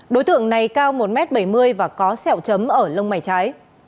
đối tượng này cao một m bảy mươi và có sẹo chấm ở lông mảy trái